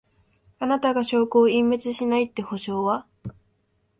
あなたが証拠を隠滅しないって保証は？